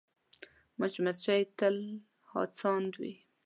مچمچۍ تل هڅاند وي